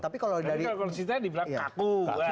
tapi kalau konsisten dibilang kaku